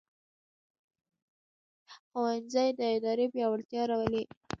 ښوونځی د ارادې پیاوړتیا راولي